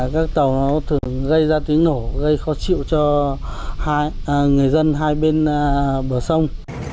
các tàu thường gây ra tiếng nổ gây khó chịu cho hai người dân hai bên bờ sông